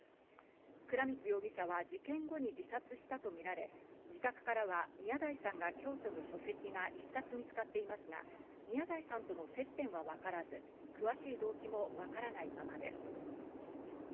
倉光容疑者は事件後に自殺したとみられ、自宅からは宮台さんが共著の書籍が１冊に見つかっていますが、宮台さんとの接点はわからず、詳しい動機もわからないままです。